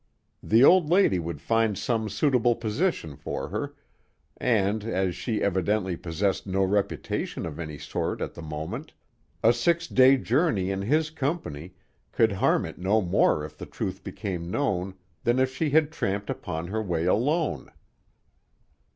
The old lady would find some suitable position for her, and, as she evidently possessed no reputation of any sort at the moment, a six day journey in his company could harm it no more if the truth became known than if she had tramped upon her way alone.